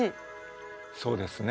そうですね。